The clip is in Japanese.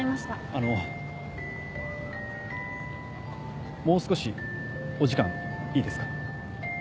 あのもう少しお時間いいですか？